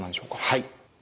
はい。